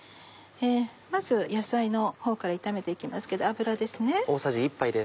まず野菜のほうから炒めて行きますけど油です。